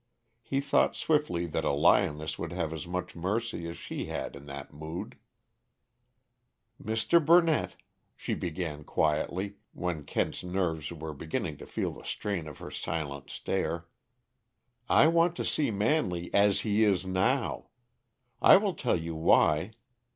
He thought swiftly that a lioness would have as much mercy as she had in that mood. "Mr. Burnett," she began quietly, when Kent's nerves were beginning to feel the strain of her silent stare, "I want to see Manley as he is now. I will tell you why.